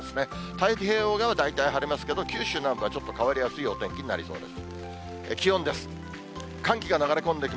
太平洋側は大体晴れますけど、九州南部はちょっと変わりやすいお天気になりそうです。